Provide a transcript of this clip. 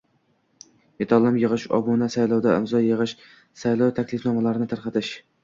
metallom yig‘ish, obuna, saylovda imzo yig‘ish, saylov taklifnomalarini tarqatish